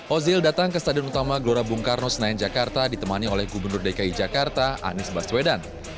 ozil datang ke stadion utama gelora bung karno senayan jakarta ditemani oleh gubernur dki jakarta anies baswedan